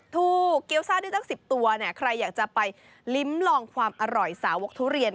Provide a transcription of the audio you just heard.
เกี้ยวซ่าด้วยตั้ง๑๐ตัวเนี่ยใครอยากจะไปลิ้มลองความอร่อยสาวกทุเรียน